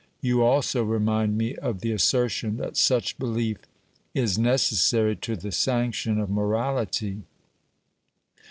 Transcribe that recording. You also remind me of the assertion that such belief is necessary to the sanction of morality.